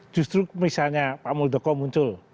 justru misalnya pak muldoko muncul